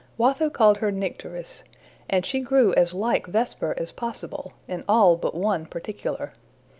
Watho called her Nycteris, and she grew as like Vesper as possible in all but one particular.